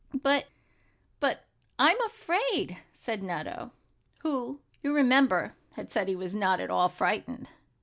"But but I'm afraid," said Nutto, who, you remember, had said he was not at all frightened.